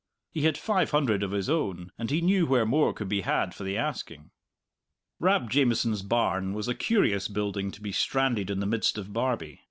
He had five hundred of his own, and he knew where more could be had for the asking. Rab Jamieson's barn was a curious building to be stranded in the midst of Barbie.